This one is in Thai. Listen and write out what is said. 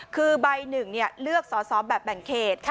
คือใบหนึ่งเลือกสอสอแบบแบ่งเขต